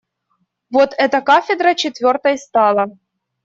Вот эта кафедра четвертой стала.